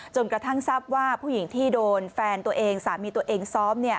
กระทั่งทราบว่าผู้หญิงที่โดนแฟนตัวเองสามีตัวเองซ้อม